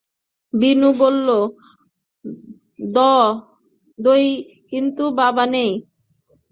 বিনু বলল, দৈ কিন্তু বাবা নেই।